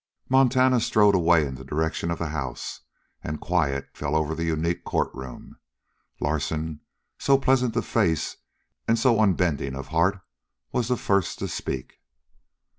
Montana strode away in the direction of the house, and quiet fell over the unique courtroom. Larsen, so pleasant of face and so unbending of heart, was the first to speak.